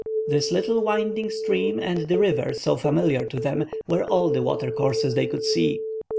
This little winding stream and the river so familiar to them were all the watercourses they could see.